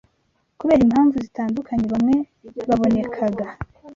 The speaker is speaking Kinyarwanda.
kubera impamvu zitandukanye, bamwe babonekaga